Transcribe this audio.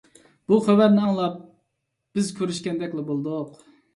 بۇ خەۋەرنى ئاڭلاپ، بىز كۆرۈشكەندەكلا بولدۇق.